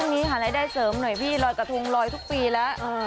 นี้หารายได้เสริมหน่อยพี่รอยกระทงลอยทุกปีแล้ว